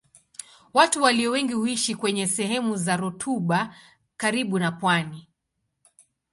Watu walio wengi huishi kwenye sehemu za rutuba karibu na pwani.